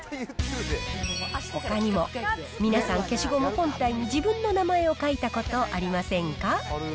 ほかにも、皆さん、消しゴム本体に自分の名前を書いたことありませんか？